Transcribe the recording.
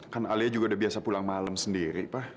kan alia juga udah biasa pulang malam sendiri